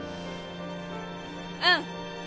うん！